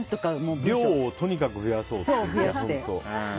量をとにかく増やそうと。